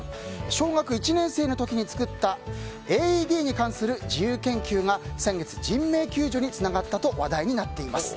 小学１年生の時に作ったＡＥＤに関する自由研究が先月、人命救助につながったと話題になっています。